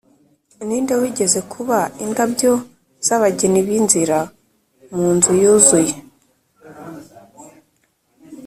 ninde wigeze kuba indabyo z'abageni b'inzira munzu yuzuye